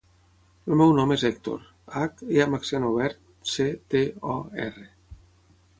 El meu nom és Hèctor: hac, e amb accent obert, ce, te, o, erra.